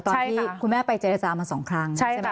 ตอนที่คุณแม่ไปเจรจามา๒ครั้งใช่ไหม